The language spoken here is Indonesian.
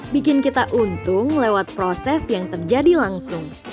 bikin kita untung lewat proses yang terjadi langsung